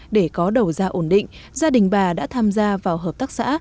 để có đầu ra ổn định gia đình bà đã tham gia vào hợp tác xã